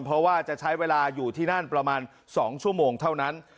เพราะว่าจะใช้เวลาอยู่ที่นั่นประมาณ๒ชั่วโมงเท่านั้น